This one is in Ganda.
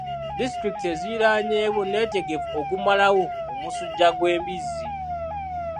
Disitulikiti eziriraanyewo neetegefu okumalawo omusujja gw'embizzi.